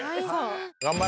頑張れ。